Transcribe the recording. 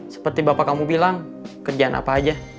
seperti bapak kamu bilang kerjaan apa aja